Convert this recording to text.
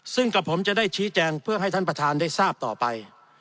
ซึ่งกับผมจะได้ชี้แจงเพื่อให้ท่านประธานได้ทราบต่อไป